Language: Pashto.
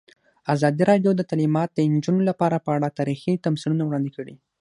ازادي راډیو د تعلیمات د نجونو لپاره په اړه تاریخي تمثیلونه وړاندې کړي.